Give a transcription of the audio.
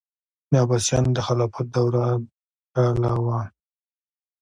د عباسیانو د خلافت دوره کاله وه.